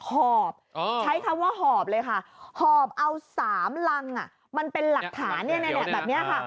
หอบใช้คำว่าหอบเลยค่ะหอบเอา๓รังมันเป็นหลักฐานแบบนี้ค่ะ